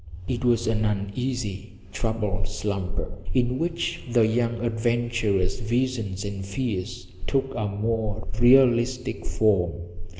It was an uneasy, troubled slumber in which the young adventurer's visions and fears took a more realistic form.